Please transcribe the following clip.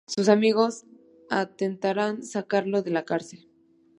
Sus amigos intentarán sacarlo de la cárcel.